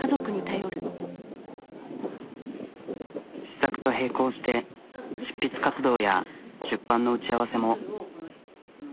試作と並行して執筆活動や出版の打ち合わせも。